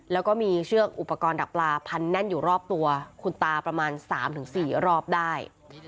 แล้วก็มีเชือกอุปกรณ์ดักปลาพันแน่นอยู่รอบตัวคุณตาประมาณ๓๔รอบได้